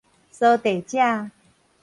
趖地者